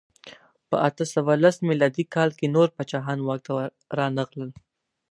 په اته سوه لس میلادي کال کې نور پاچاهان واک ته رانغلل.